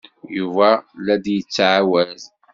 Yuba la d-yettɛawad.